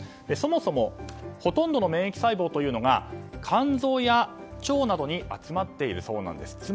そもそもほとんどの免疫細胞というのが肝臓や腸などに集まっているそうなんです。